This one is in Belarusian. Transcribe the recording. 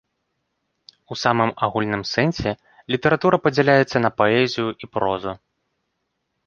У самым агульным сэнсе літаратура падзяляецца на паэзію і прозу.